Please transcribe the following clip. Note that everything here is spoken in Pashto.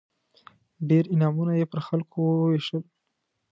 ډېر انعامونه یې پر خلکو ووېشل.